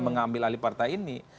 mengambil ahli partai ini